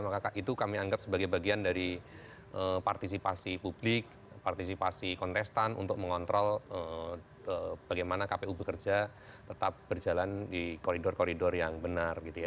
maka itu kami anggap sebagai bagian dari partisipasi publik partisipasi kontestan untuk mengontrol bagaimana kpu bekerja tetap berjalan di koridor koridor yang benar gitu ya